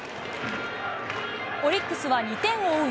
オリックスは２点を追う